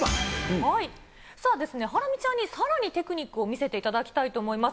さあ、ハラミちゃんにさらにテクニックを見せていただきたいと思います。